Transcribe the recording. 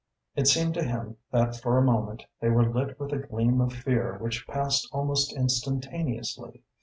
It seemed to him that for a moment they were lit with a gleam of fear which passed almost instantaneously.